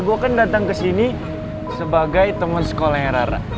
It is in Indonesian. gue kan datang ke sini sebagai teman sekolah yang rara